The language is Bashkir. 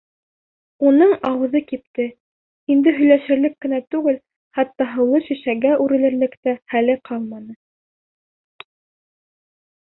Уның ауыҙы кипте, инде һөйләшерлек кенә түгел, хатта һыулы шешәгә үрелерлек тә хәле ҡалманы.